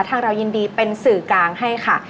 เรายินดีเป็นสื่อกลางให้ค่ะ